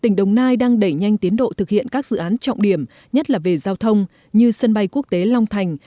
tỉnh đồng nai đang đẩy nhanh tiến độ thực hiện các dự án trọng điểm nhất là về giao thông như sân bay quốc tế long thành